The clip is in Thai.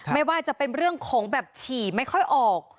ไม่ว่าจะเป็นเรื่องของแบบฉี่ไม่ค่อยออก